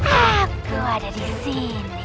aku ada di sini